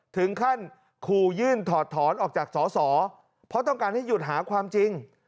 ถึงขั้นขู่ยื่นถอดถอนออกจากสอสอเพราะต้องการให้หยุดหาความจริง